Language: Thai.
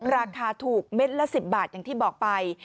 ราคาถูกเม็ดละ๑๐บาทอย่างที่บอกไป